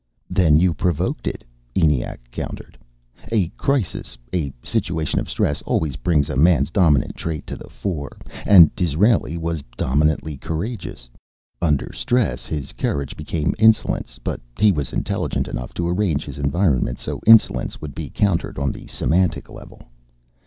"Then you provoked it," ENIAC countered. "A crisis a situation of stress always brings a man's dominant trait to the fore, and Disraeli was dominantly courageous. Under stress, his courage became insolence. But he was intelligent enough to arrange his environment so insolence would be countered on the semantic level.